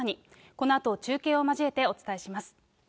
このあと中継を交えてお伝えします。